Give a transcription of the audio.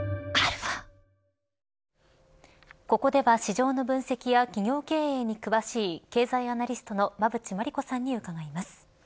ここでは、市場の分析や企業経営に詳しい経済アナリストの馬渕磨理子さんに伺います。